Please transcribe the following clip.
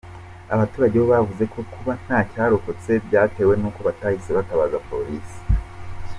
Abaturage bavuze ko kuba nta cyarokotse byatewe n’uko batahise batabaza Polisi.